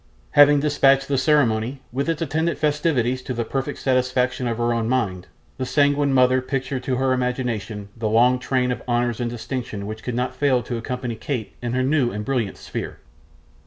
Having dispatched the ceremony, with its attendant festivities, to the perfect satisfaction of her own mind, the sanguine mother pictured to her imagination a long train of honours and distinctions which could not fail to accompany Kate in her new and brilliant sphere.